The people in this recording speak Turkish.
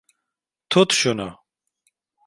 Tut şunu.